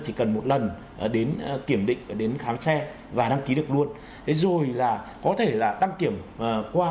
chỉ cần một lần đến kiểm định đến khám xe và đăng ký được luôn rồi là có thể là đăng kiểm qua